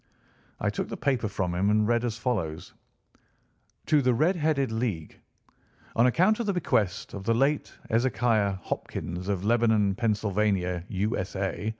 I took the paper from him and read as follows: "TO THE RED HEADED LEAGUE: On account of the bequest of the late Ezekiah Hopkins, of Lebanon, Pennsylvania, U.S.A.